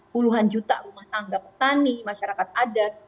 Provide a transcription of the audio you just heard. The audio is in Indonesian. puluhan juta rumah tangga petani masyarakat adat